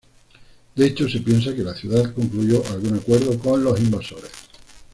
De hecho, se piensa que la ciudad concluyó algún acuerdo con los invasores.